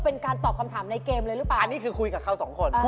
โอ้ยซับซ้อนซับมอเตอร์ไซส์